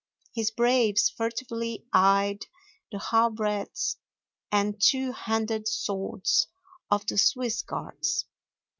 His braves furtively eyed the halbreds and two handed swords of the Swiss Guards.